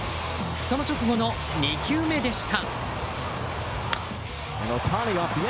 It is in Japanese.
その直後の２球目でした。